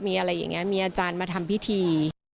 มีอะไรอย่างนี้มีอาจารย์มาทำพิธี